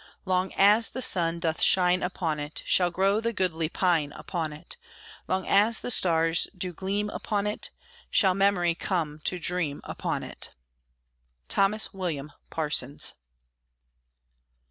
Long as the sun doth shine upon it Shall grow the goodly pine upon it, Long as the stars do gleam upon it Shall Memory come to dream upon it. THOMAS WILLIAM PARSONS.